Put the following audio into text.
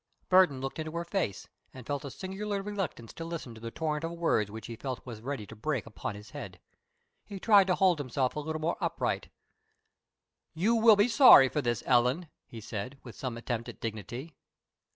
Burton looked into her face and felt a singular reluctance to listen to the torrent of words which he felt was ready to break upon his head. He tried to hold himself a little more upright. "You will be sorry for this, Ellen," he said, with some attempt at dignity.